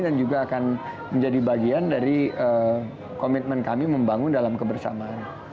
dan juga akan menjadi bagian dari komitmen kami membangun dalam kebersamaan